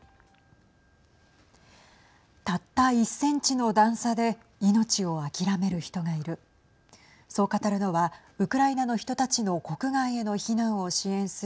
たった１センチの段差で命を諦める人がいる。